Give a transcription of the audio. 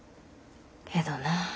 けどな。